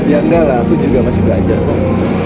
ya enggak lah aku juga masih belajar kok